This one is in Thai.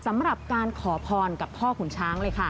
สำหรับการขอพรกับพ่อขุนช้างเลยค่ะ